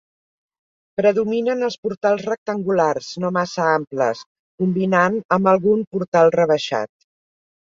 Predominen els portals rectangulars, no massa amples, combinant amb algun portal rebaixat.